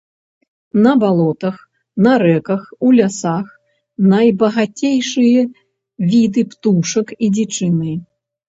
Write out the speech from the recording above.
На балотах, на рэках, у лясах найбагацейшыя віды птушак і дзічыны.